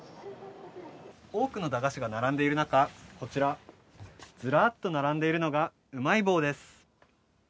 多くの駄菓子が並んでいる中、こちら、ずらっと並んでいるのがうまい棒です。